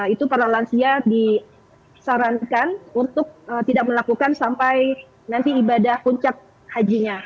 itu para lansia disarankan untuk tidak melakukan sampai nanti ibadah puncak hajinya